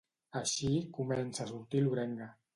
Així comença a sortir l'orenga.